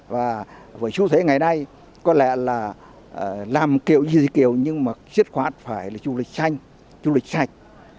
và với xu thế ngày nay có lẽ là làm kiểu gì kiểu nhưng mà siết khoát phải là du lịch xanh du lịch sạch